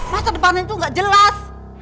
masa depannya tuh gak jelas